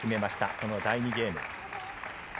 この第２ゲーム。